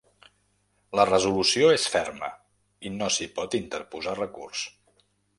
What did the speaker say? La resolució és ferma i no s’hi pot interposar recurs.